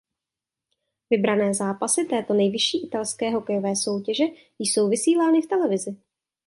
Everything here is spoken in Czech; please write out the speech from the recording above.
Vybrané zápasy této nejvyšší italské hokejové soutěže jsou vysílány v televizi.